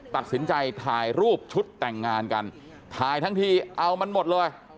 ตัดสินใจถ่ายรูปชุดแต่งงานกันถ่ายทั้งทีเอามันหมดเลย